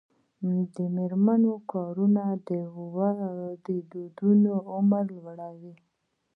د میرمنو کار د ودونو عمر لوړوي.